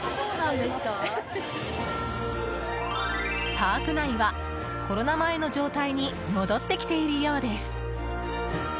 パーク内はコロナ前の状態に戻ってきているようです。